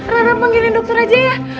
rada panggilin dokter aja ya